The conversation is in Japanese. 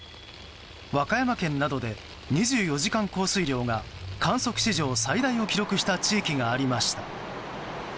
和歌山県などで２４時間降水量が観測史上最大を記録した地域がありました。